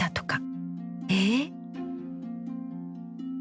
えっ。